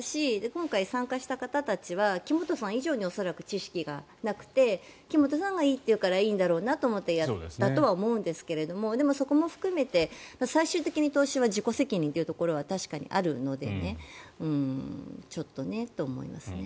今回、参加した方たちは木本さん以上に恐らく知識がなくて木本さんがいいっていうからいいんだろうなと思ってやったんだろうなとは思うんですがでもそこも含めて最終的に投資は自己責任というところは確かにあるのでちょっとねと思いますね。